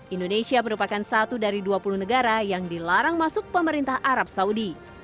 indonesia merupakan satu dari dua puluh negara yang dilarang masuk pemerintah arab saudi